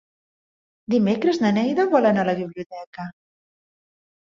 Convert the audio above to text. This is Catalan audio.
Dimecres na Neida vol anar a la biblioteca.